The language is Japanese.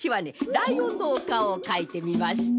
ライオンのおかおをかいてみました。